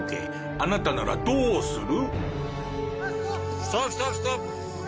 あなたならどうする？